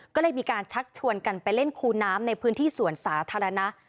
ก็เลยมีการชักชวนกันไปเล่นคูน้ำในพื้นที่สวนสาธารณะ